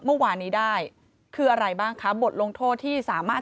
เมื่อวานนี้ได้คืออะไรบ้างคะบทลงโทษที่สามารถ